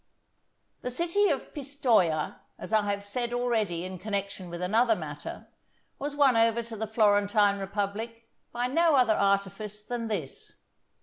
The city of Pistoja, as I have said already in connection with another matter, was won over to the Florentine republic by no other artifice than this.